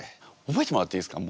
覚えてもらっていいですか？